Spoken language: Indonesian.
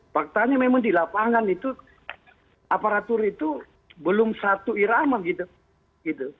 faktanya memang di lapangan itu aparatur itu belum satu irama gitu